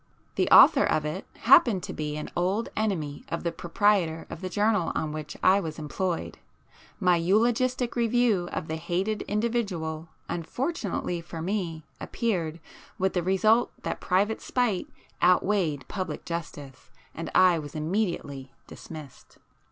The author of it happened to be an old enemy of the proprietor of the journal on which I was employed;—my eulogistic review of the hated individual, unfortunately for me, appeared, with the result that private spite outweighed public justice, and I was immediately dismissed.